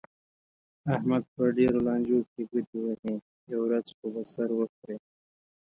احمد په ډېرو لانجو کې ګوتې وهي، یوه ورځ خو به سر وخوري.